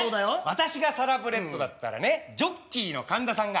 私がサラブレッドだったらねジョッキーの神田さんがしっかり。